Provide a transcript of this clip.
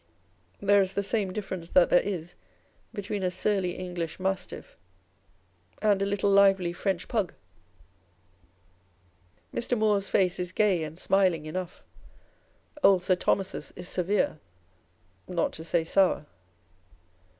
There is the same difference that there is between a surly English mastiff and a little lively French pug Mr. Moore's face is gay and smiling enough, old Sir Thomas's is severe, not to say sour.